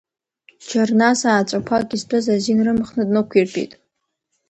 Џьарнас ааҵәақәак, изтәыз азин рымхны, днықәиртәеит.